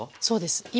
そうです。